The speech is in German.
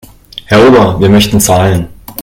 Herr Ober, wir möchten zahlen.